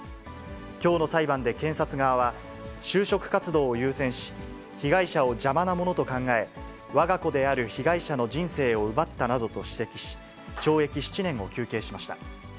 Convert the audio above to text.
きょうの裁判で検察側は、就職活動を優先し、被害者を邪魔なものと考え、わが子である被害者の人生を奪ったなどと指摘し、懲役７年を求刑しました。